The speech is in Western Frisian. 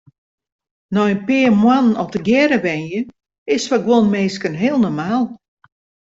Nei in pear moannen al tegearre wenje is foar guon minsken heel normaal.